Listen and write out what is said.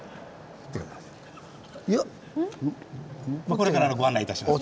これからご案内いたします。